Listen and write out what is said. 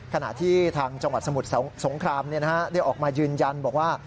ขณะที่ทางจังหวัดสมุทรสงครามได้ออกมายืนยันบอกว่า